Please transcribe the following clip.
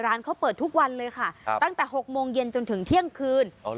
ร้านเขาเปิดทุกวันเลยค่ะตั้งแต่๖โมงเย็นจนถึงเที่ยงคืน